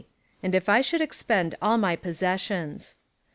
And if I should expend all my possessions?